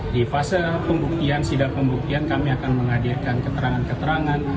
di fase pembuktian sidang pembuktian kami akan menghadirkan keterangan keterangan